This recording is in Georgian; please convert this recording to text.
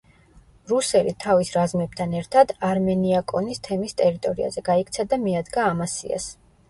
რუსელი თავის რაზმებთან ერთად არმენიაკონის თემის ტერიტორიაზე გაიქცა და მიადგა ამასიას.